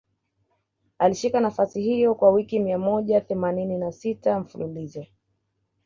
Alishika nafasi hiyo kwa wiki mia moja themanini na sita mfululizo